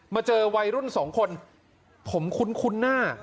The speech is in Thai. เจอวัยรุ่นสองคนผมคุ้นหน้า